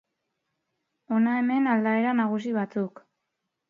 Hona hemen aldaera nagusi batzuk.